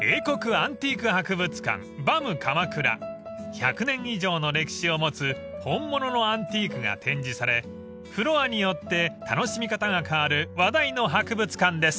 ［１００年以上の歴史を持つ本物のアンティークが展示されフロアによって楽しみ方が変わる話題の博物館です］